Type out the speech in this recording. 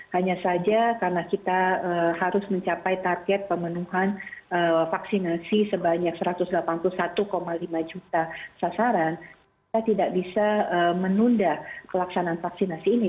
hanya saja karena kita harus mencapai target pemenuhan vaksinasi sebanyak satu ratus delapan puluh satu lima juta sasaran kita tidak bisa menunda pelaksanaan vaksinasi ini